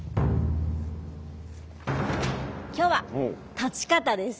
今日は立ち方です。